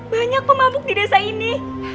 banyak pemamuk di desa ini